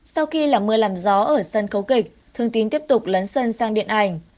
sau khi là mưa làm gió ở sân khấu kịch thương tín tiếp tục lấn sân sang điện ảnh